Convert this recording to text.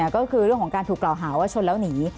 ก็คือเรื่องของการถูกกล่าวหาว่าชนแล้วหนี